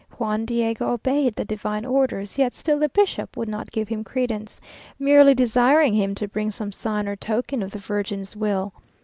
Juan Diego obeyed the divine orders, yet still the bishop would not give him credence, merely desiring him to bring some sign or token of the Virgin's will.